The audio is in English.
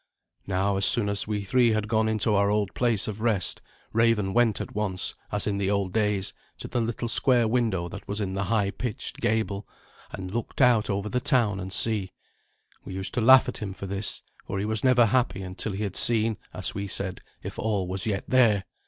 Now, as soon as we three had gone into our old place of rest, Raven went at once, as in the old days, to the little square window that was in the high pitched gable, and looked out over the town and sea. We used to laugh at him for this, for he was never happy until he had seen, as we said, if all was yet there.